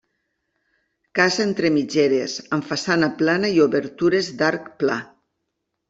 Casa entre mitgeres amb façana plana i obertures d'arc pla.